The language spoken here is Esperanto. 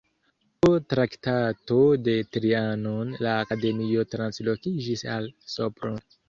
Pro Traktato de Trianon la akademio translokiĝis al Sopron.